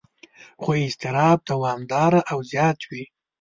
خو اضطراب دوامداره او زیات وي.